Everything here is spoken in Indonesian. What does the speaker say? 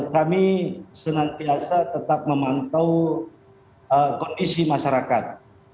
kami senantiasa tetap memantau kondisi masyarakat